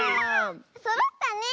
そろったね！